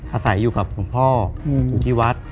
อาศัยอยู่กับหลวงพ่ออยู่ที่วัด